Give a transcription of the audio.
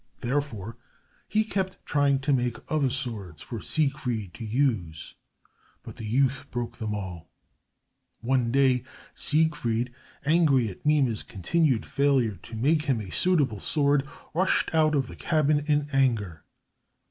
Therefore he kept trying to make other swords for Siegfried to use, but the youth broke them all. One day Siegfried, angry at Mime's continued failure to make him a suitable sword, rushed out of the cabin in anger.